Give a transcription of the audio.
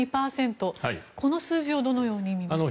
この数字をどのように見ますか。